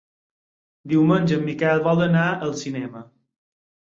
Diumenge en Miquel vol anar al cinema.